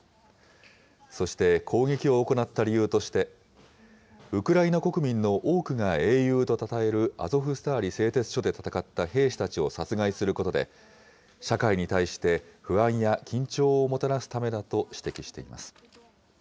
そして攻撃を行った理由として、ウクライナ国民の多くが英雄とたたえるアゾフスターリ製鉄所で戦った兵士たちを殺害することで、社会に対して不安や緊張をもたらすためだと指摘しています。